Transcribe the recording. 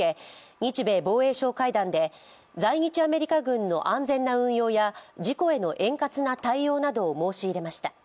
日米防衛相会談で在日アメリカ軍の安全な運用や事故への円滑な対応などを申し入れました。